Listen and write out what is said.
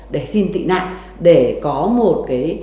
để xin tị nạn để có một